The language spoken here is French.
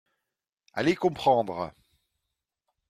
Allez comprendre